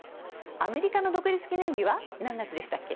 アメリカの独立記念日は何月でしたっけ？